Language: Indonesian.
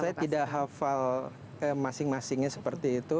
saya tidak hafal masing masingnya seperti itu